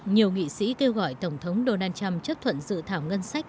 nhiều nghị sĩ kêu gọi tổng thống donald trump chấp thuận dự thảo ngân sách